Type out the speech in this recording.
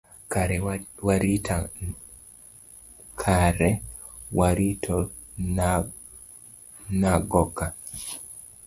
Kare warito nago ka.